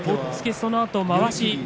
そのあとまわし。